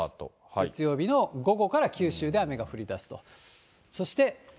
月曜日の午後から九州で雨が降りだすと。